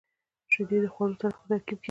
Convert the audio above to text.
• شیدې د خوړو سره ښه ترکیب کیږي.